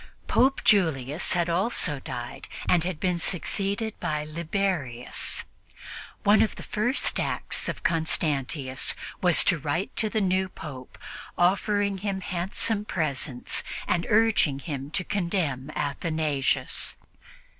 Pope Julius had also died and had been succeeded by Liberius. One of the first acts of Constantius was to write to the new Pope, offering him handsome presents and urging him to condemn Athanasius.